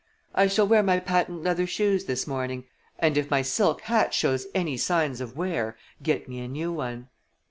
I shall wear my patent leather shoes this morning, and if my silk hat shows any signs of wear, get me a new one."